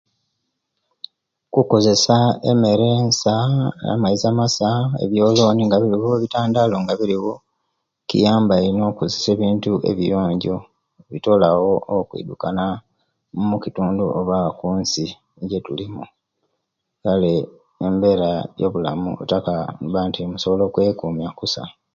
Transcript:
Kukozesa emeere nsa na'maizi amasa ebyolooni nga biliwa no butandaalo nga buliwo kiyamba ino okukozesia ebintu ebiyonjjo bitolawo okwiddukana omukitundu oba omunsi egye tulimu kale embeera yowulamu ettaka neba nti musobola okwekuumya kusa.